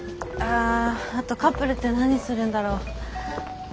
ああとカップルって何するんだろう？